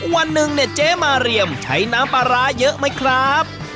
วันหนึ่งเนี่ยเจ๊มาเรียมใช้น้ำปลาร้าเยอะไหมครับ